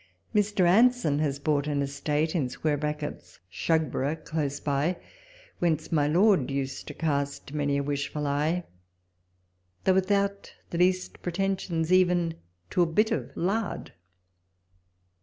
Mr. Anson has bought an estate [Shugborough] close by, whence my Lord used to cast many a wishful eye, though without the least pretensions even to a bit of lard.